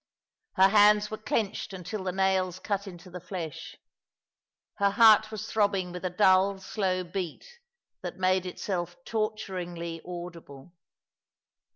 Her hands were clenched until the nails cut into the flesh. Her heart was throbbing with a dull, slow beat that made itself torturingly audible.